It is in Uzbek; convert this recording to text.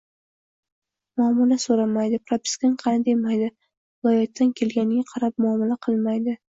«muomala» so‘ramaydi, propiskang qani demaydi, viloyatdan kelganingga qarab munosabat qilmaydi.